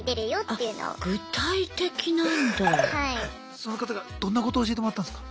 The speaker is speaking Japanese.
その方からどんなこと教えてもらったんすか？